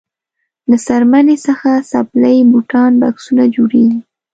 له څرمنې څخه څپلۍ بوټان بکسونه جوړیږي.